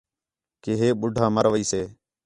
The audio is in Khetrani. کہ ہِے ٻُڈّھا مَر ویسے